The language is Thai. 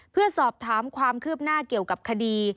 เพื่อสอบถามความคืบหน้าเกี่ยวกับคดี